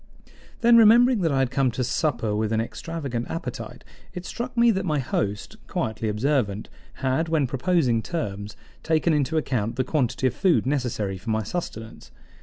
Then, remembering that I had come to supper with an extravagant appetite, it struck me that my host, quietly observant, had, when proposing terms, taken into account the quantity of food necessary for my sustenance.